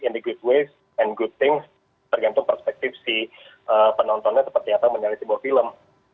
in the good waste and good things tergantung perspektif si penontonnya seperti apa menyalip sebuah film